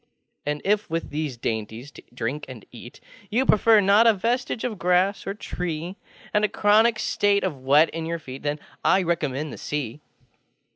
And if, with these dainties to drink and eat, You prefer not a vestige of grass or tree, And a chronic state of wet in your feet, ThenŌĆöI recommend the Sea.